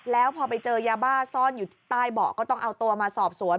แล้วพอไปเจอยาบ้าซ่อนอยู่ใต้เบาะก็ต้องเอาตัวมาสอบสวน